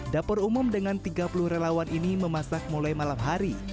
dapur umum dengan tiga puluh relawan ini memasak mulai malam hari